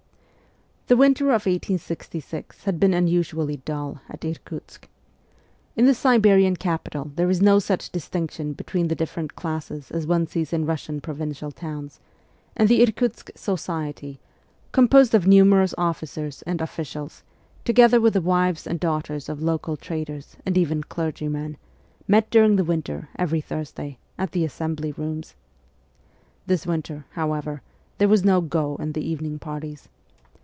The winter of 1866 had been unusually dull at Irkutsk. In the Siberian capital there is no such distinction between the different classes as one sees in Kussian provincial towns ; and the Irkutsk ' society,' composed of numerous officers and officials, together with the wives and daughters of local traders and even clergymen, met during the winter, every Thursday, at the Assembly Booms. This winter, however, there was no ' go ' in the evening parties.